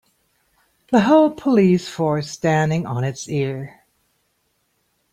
The whole police force standing on it's ear.